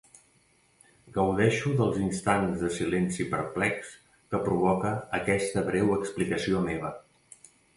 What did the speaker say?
Gaudeixo dels instants de silenci perplex que provoca aquesta breu explicació meva.